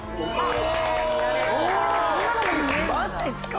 マジっすか。